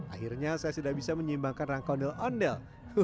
akhirnya saya sudah bisa menyimbangkan rangka ondel ondel